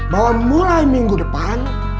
bahwa mulai minggu depan